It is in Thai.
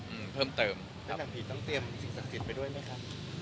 แล้วหนังผิดต้องเตรียมสิ่งศักดิ์สิทธิ์ไปด้วยไหมคะ